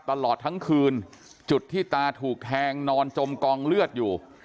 ตลอดทั้งคืนจุดที่ตาถูกแทงนอนจมกองเลือดอยู่